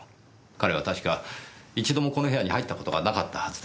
彼は確か一度もこの部屋に入った事がなかったはずです。